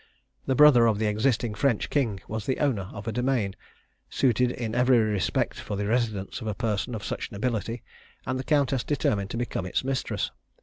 The brother of the existing French king was the owner of a domain, suited in every respect for the residence of a person of such nobility, and the countess determined to become its mistress.